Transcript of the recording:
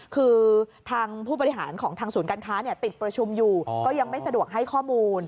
คือทางผู้บริหารของทางศูนย์การค้าติดประชุมอยู่ก็ยังไม่สะดวกให้ข้อมูล